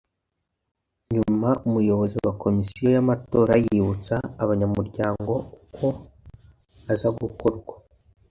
nyuma umuyobozi wa Komisiyo y’amatora yibutsa abanyamuryango uko aza gukorwa